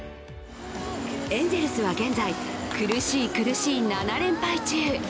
エンゼルスは現在苦しい苦しい７連敗中。